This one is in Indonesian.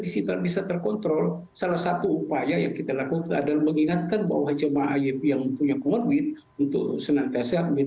ini bisa terkontrol salah satu upaya yang kita lakukan adalah mengingatkan bahwa jemaah ayp yang punya morbid untuk senang senang minum obat secara teratur